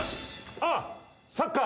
あっサッカー。